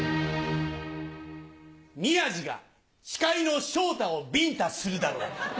宮治が司会の昇太をビンタするだろう。